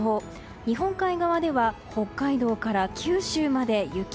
日本海側では北海道から九州まで雪。